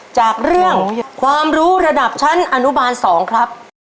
จากเรื่องความรู้ระดับชั้นอนุบาล๒ครับ